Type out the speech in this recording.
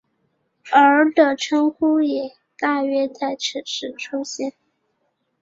而的称呼也大约在此时出现。